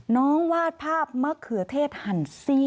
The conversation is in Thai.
วาดภาพมะเขือเทศหั่นซี่